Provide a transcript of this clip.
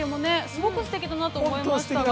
すごくすてきだなと思いました。